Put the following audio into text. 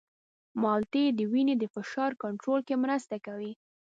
مالټې د وینې د فشار کنټرول کې مرسته کوي.